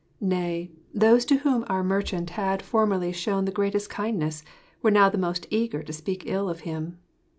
Nay, those to whom our merchant had formerly shown the greatest kindness were now the most eager to speak ill of him.